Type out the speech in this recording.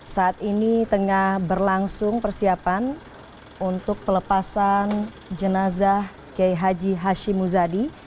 saat ini tengah berlangsung persiapan untuk pelepasan jenazah k h hashim muzadi